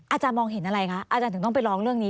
อาจารย์มองเห็นอะไรคะอาจารย์ถึงต้องไปร้องเรื่องนี้